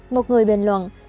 một người bình luận